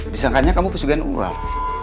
disangkanya kamu pesugian ular